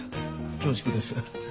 恐縮です。